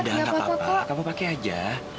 enggak enggak apa apa kamu pakai aja